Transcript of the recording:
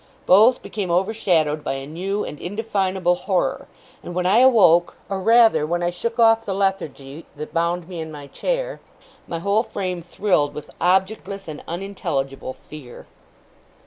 Both became overshadowed by a new and indefinable horror; and when I awoke or rather when I shook off the lethargy that bound me in my chair my whole frame thrilled with objectless and unintelligible fear.